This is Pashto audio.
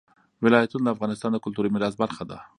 ولایتونه د افغانستان د کلتوري میراث برخه ده.